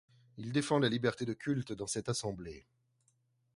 Il défend la liberté de culte dans cette assemblée.